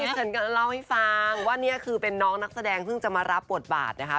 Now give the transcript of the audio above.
ฉันก็เล่าให้ฟังว่านี่คือเป็นน้องนักแสดงเพิ่งจะมารับบทบาทนะคะ